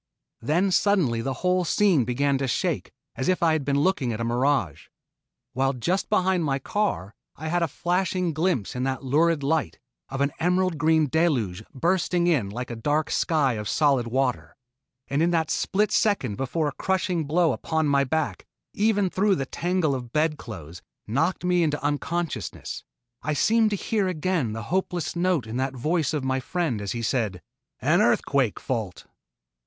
... Then suddenly the whole scene began to shake as if I had been looking at a mirage, while just behind my car I had a flashing glimpse in that lurid light of an emerald green deluge bursting in like a dark sky of solid water, and in that split second before a crushing blow upon my back, even through that tangle of bedclothes, knocked me into unconsciousness, I seemed to hear again the hopeless note in the voice of my friend as he said: " an earthquake fault."